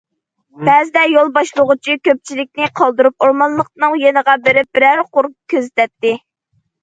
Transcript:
بەزىدە يول باشلىغۇچى كۆپچىلىكنى قالدۇرۇپ ئورمانلىقنىڭ يېنىغا بېرىپ بىرەر قۇر كۆزىتەتتى.